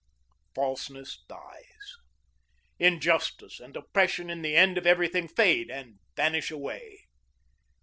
Falseness dies; injustice and oppression in the end of everything fade and vanish away.